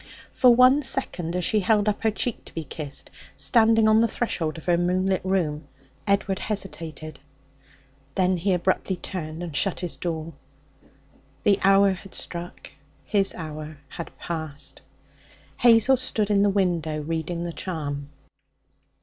For one second, as she held up her cheek to be kissed, standing on the threshold of her moonlit room, Edward hesitated. Then he abruptly turned and shut his door. His hour had struck. His hour had passed. Hazel stood in the window reading the charm.